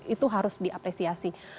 itu harus diapresiasi